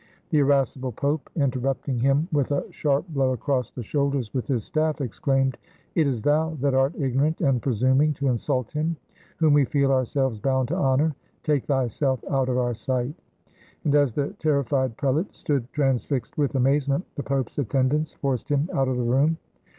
The irascible Pope, inter rupting him with a sharp blow across the shoulders with his staff, exclaimed, "It is thou that art ignorant and presuming, to insult him whom we feel ourselves bound to honor; take thyself out of our sight!" And as the terrified prelate stood transfixed with amazement, the Pope's attendants forced him out of the room.